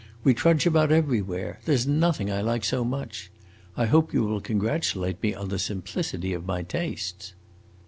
We trudge about everywhere; there is nothing I like so much. I hope you will congratulate me on the simplicity of my tastes."